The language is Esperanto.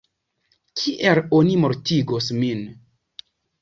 Kiel oni mortigos min?